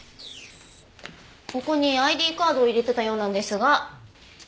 ここにＩＤカードを入れてたようなんですが。